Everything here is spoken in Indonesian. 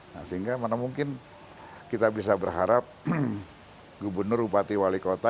nah sehingga mana mungkin kita bisa berharap gubernur bupati wali kota